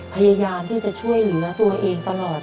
พยายามที่จะช่วยเหลือตัวเองตลอด